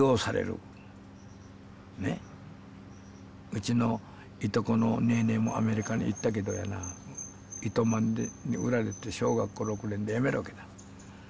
うちのいとこのネエネエもアメリカに行ったけどやな糸満で売られて小学校６年でやめるわけだ。